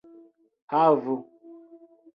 havu